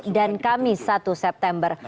dan kamis satu september